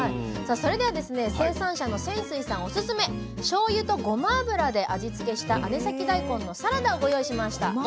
さあそれではですね生産者の泉水さんオススメしょうゆとごま油で味付けした姉崎だいこんのサラダをご用意しました。